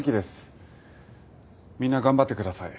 みんな頑張ってください。